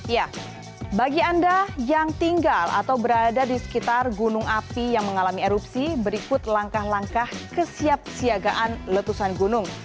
ya bagi anda yang tinggal atau berada di sekitar gunung api yang mengalami erupsi berikut langkah langkah kesiapsiagaan letusan gunung